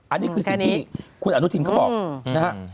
อันนี้คือสิ่งที่คุณอนุทินรัฐมนตรีเขาบอก